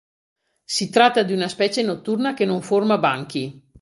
Si tratta di una specie notturna che non forma banchi.